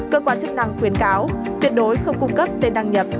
cơ quan chức năng khuyến cáo tuyệt đối không cung cấp tên đăng nhập